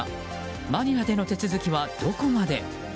マニラでの手続きは、どこまで。